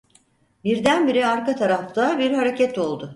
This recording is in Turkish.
Birdenbire arka tarafta bir hareket oldu: